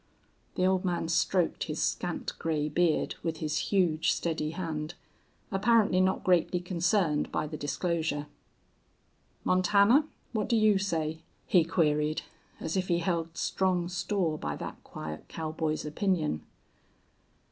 The old man stroked his scant gray beard with his huge, steady hand, apparently not greatly concerned by the disclosure. "Montana, what do you say?" he queried, as if he held strong store by that quiet cowboy's opinion.